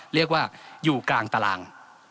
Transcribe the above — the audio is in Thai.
เรียกว่าอยู่กลางตาราง